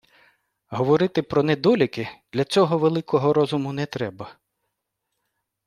Говорити про недоліки — для цього великого розуму не треба.